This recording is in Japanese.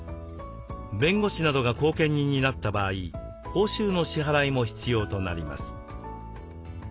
弁護士などが後見人になった場合報酬の支払いも必要となります。